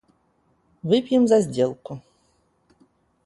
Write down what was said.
Выпьем за сделку.